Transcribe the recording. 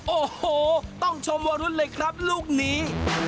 โอ้โหต้องชมวรุ้นเลยครับลูกนี้